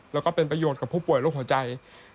แล้วก็เป็นประโยชน์กับผู้ป่วยโรคหัวใจ